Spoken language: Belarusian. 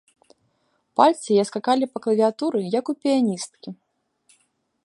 Пальцы яе скакалі па клавіятуры, як у піяністкі.